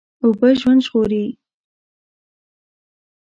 اوبه ژوند ژغوري.